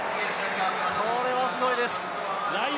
これはすごいです。